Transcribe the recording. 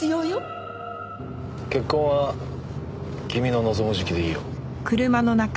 結婚は君の望む時期でいいよ。